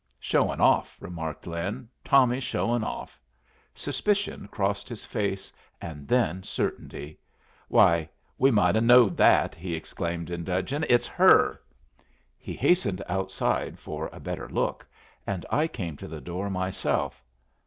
"Showin' off," remarked Lin. "Tommy's showin' off." Suspicion crossed his face, and then certainty. "Why, we might have knowed that!" he exclaimed, in dudgeon. "It's her." He hastened outside for a better look, and I came to the door myself.